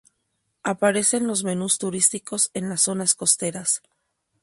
Aparecen los menús turísticos en las zonas costeras.